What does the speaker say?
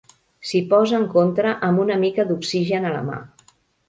S'hi posa en contra amb una mica d'oxigen a la mà.